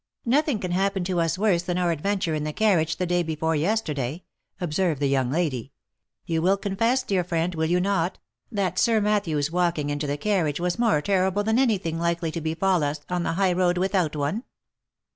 i{ Nothing can happen to us worse than our adventure in the car riage the day before yesterday," observed the young lady ;" you will confess, dear friend, will you not, that Sir Matthew's walking into the m 2 164 THE LIFE AND ADVENTURES carriage was more terrible than any thing likely to befall us on the high road without one?"